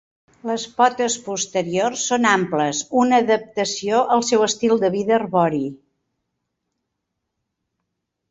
Les potes posteriors són amples, una adaptació al seu estil de vida arbori.